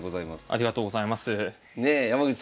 ありがとうございます。